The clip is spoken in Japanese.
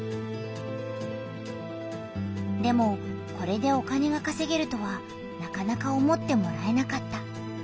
でもこれでお金がかせげるとはなかなか思ってもらえなかった。